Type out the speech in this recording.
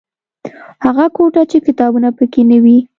هغه کوټه چې کتابونه پکې نه وي.